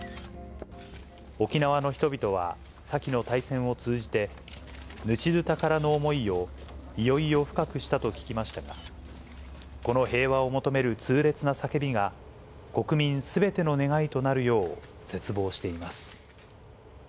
沖縄の人々は先の大戦を通じて、ぬちどぅ宝の思いをいよいよ深くしたと聞きましたが、この平和を求める痛烈な叫びが、国民すべての願いとなるよう、切望しています。